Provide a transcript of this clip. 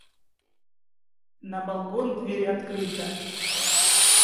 На балкон дверь открыта!